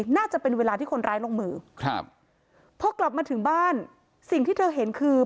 น่าจะเป็นเวลาที่คนร้ายลงมือครับพอกลับมาถึงบ้านสิ่งที่เธอเห็นคือ